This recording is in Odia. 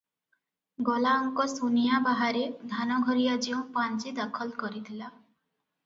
ଗଲାଅଙ୍କ ସୁନିଆଁ ବାହାରେ ଧାନଘରିଆ ଯେଉଁ ପାଞ୍ଜି ଦାଖଲ କରିଥିଲା